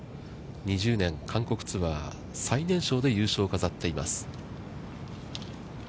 ２０年、韓国ツアー、最年少で優勝を飾っています。